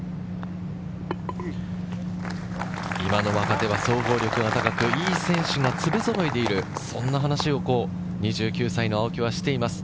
今の若手は総合力が高く、いい選手が粒揃いでいる、そんな話も２９歳の青木はしています。